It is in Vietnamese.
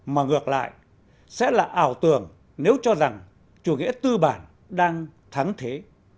mà ngược lại sẽ là ảo tưởng nếu cho rằng chủ nghĩa tư bản đang thắng thế